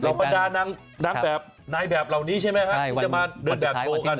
หลอกปัญญานางแบบไหนแบบเหล่านี้ใช่ไหมครับที่จะมาเดินแบบโชว์กัน